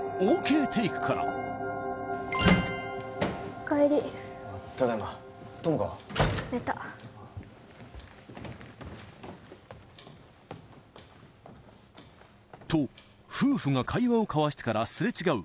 テイクからおかえりと夫婦が会話を交わしてからすれ違う